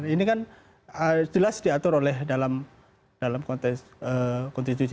ini kan jelas diatur oleh dalam konteks konstitusi